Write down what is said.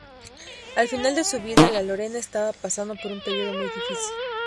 Al final de su vida, la Lorena estaba pasando por un período muy difícil.